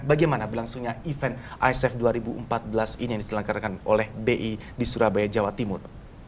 bagaimana berlangsungnya event aff dua ribu empat belas ini yang diselenggarakan oleh bi di surabaya jawa timur